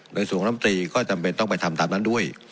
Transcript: ในส่วนลำตรีก็จำเป็นต้องไปทำตามนั้นด้วย